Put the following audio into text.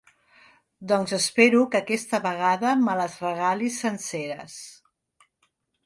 Doncs espero que aquesta vegada me les regalis senceres.